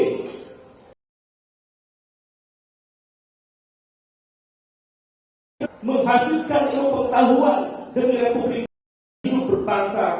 untuk membuatnya lebih berbahasa dan berbahasa dengan membuatnya lebih berbahasa